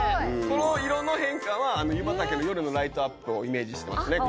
この色の変化は湯畑の夜のライトアップをイメージしてますね。